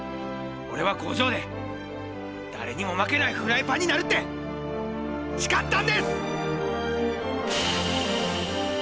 俺は工場で誰にも負けないフライパンになるって誓ったんです！